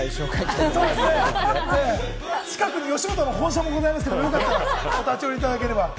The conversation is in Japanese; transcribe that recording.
近くに吉本の本社もございますけれども、お立ち寄りいただければ。